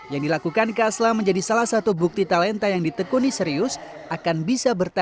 yang dilakukan kak slam menjadi salah satu kegiatan yang dapat diperoleh melalui ponsel pintar atau internet